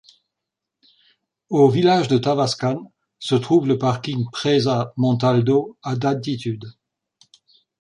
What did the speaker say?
Au village de Tavascan se trouve le parking Presa Montalto à d'altitude.